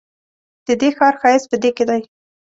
ددې ښار ښایست په دې کې دی.